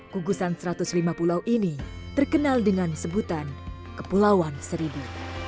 kugusan satu ratus lima pulau ini terkenal dengan sebutan kepulauan seribu